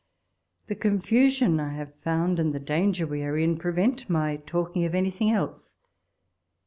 The con fusion I liave found, and the danger we are in, prevent my talking of anything else.